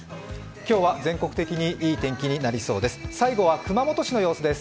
今日は全国的にいい天気になりそうです。